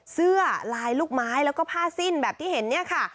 เสื้อลายลูกไม้แล้วก็ผ้าสิ้นแบบที่เห็นเนี่ยค่ะ